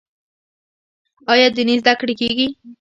آیا دیني زده کړې کیږي؟